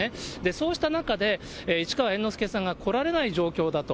そうした中で、市川猿之助さんが来られない状況だと。